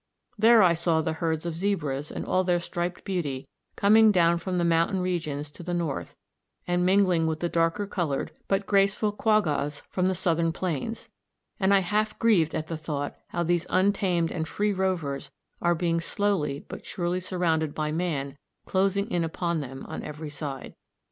There I saw the herds of Zebras in all their striped beauty coming down from the mountain regions to the north, and mingling with the darker coloured but graceful quaggas from the southern plains, and I half grieved at the thought how these untamed and free rovers are being slowly but surely surrounded by man closing in upon them on every side.